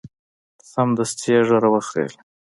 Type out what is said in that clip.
سمدستي یې ږیره وخریله.